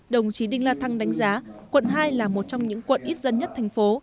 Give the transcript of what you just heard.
đồng chí đinh la thăng đánh giá quận hai là một trong những quận ít dân nhất tp hcm